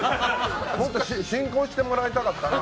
もっと進行してもらいたかったな。